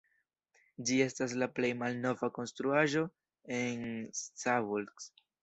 Ĝi estas la plej malnova konstruaĵo en Szabolcs.